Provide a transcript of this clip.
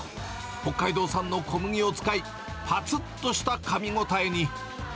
北海道産の小麦を使い、ぱつっとしたかみ応えに。